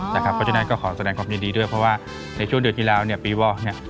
เพราะฉะนั้นก็ขอแสดงความยินดีด้วยเพราะว่าในช่วงเดือนที่แล้วเนี่ยปีวอลเนี่ย